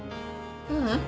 ううん。